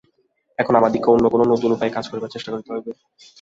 এখন আমাদিগকে অন্য কোন নূতন উপায়ে কাজ করিবার চেষ্টা করিতে হইবে।